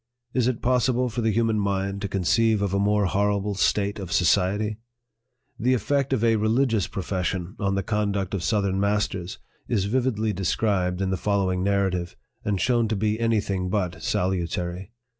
Is it possible for the human mind to conceive of a more horrible state of society ? The effect of a religious profession on the conduct of southern masters is vividly described in the follow ing Narrative, and shown to be any thing but salutary.